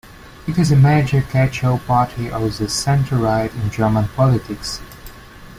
It is the major catch-all party of the centre-right in German politics.